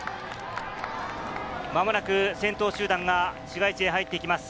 間もなく先頭集団が市街地へ入っていきます。